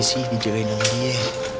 air isi dijualin sama dia ya